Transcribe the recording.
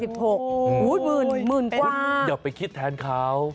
๔๔๖บาทหมื่นกว่าอย่าไปคิดแทนเขา